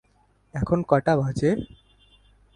এখন কটা বাজে?